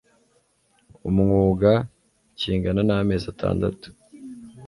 umwuga kingana n amezi atandatu